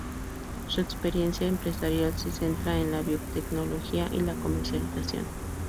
Su experiencia empresarial se centra en la biotecnología y la comercialización.